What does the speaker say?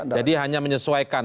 jadi hanya menyesuaikan